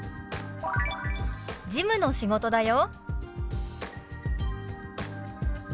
「事務の仕事だよ」。